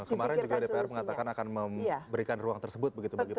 kemarin juga dpr mengatakan akan memberikan ruang tersebut begitu